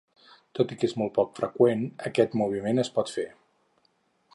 Tot i que és molt poc freqüent, aquest moviment es pot fer.